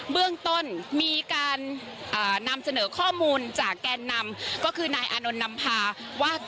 เบื้องต้นมีการนำเสนอข้อมูลจากแกนนำก็คือนายอานนท์นำพาว่า